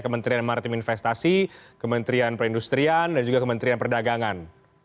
kementerian maritim investasi kementerian perindustrian dan juga kementerian perdagangan